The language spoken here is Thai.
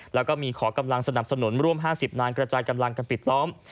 แล้วก็มีขอกำลังสนับสนุนร่วม๕๐นายกระจายกำลังกันปิดล้อม